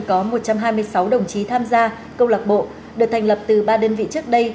có một trăm hai mươi sáu đồng chí tham gia câu lạc bộ được thành lập từ ba đơn vị trước đây